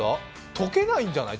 溶けないんじゃない？